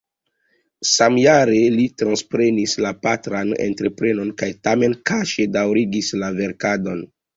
Samjare li transprenis la patran entreprenon kaj tamen kaŝe daŭrigis la verkadon.